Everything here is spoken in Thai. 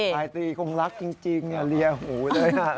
รายตรีคงรักจริงเรียหูเลย